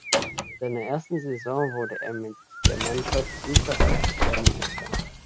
In seiner ersten Saison wurde er mit der Mannschaft österreichischer Meister.